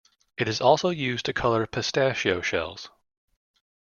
It is also used to color pistachio shells.